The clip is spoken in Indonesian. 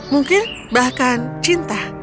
mungkin bahkan cinta